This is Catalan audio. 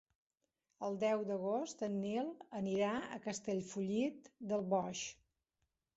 El deu d'agost en Nil anirà a Castellfollit del Boix.